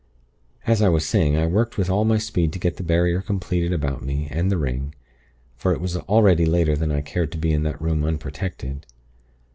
"As I was saying, I worked with all my speed to get the barrier completed about me and the ring, for it was already later than I cared to be in that room 'unprotected.'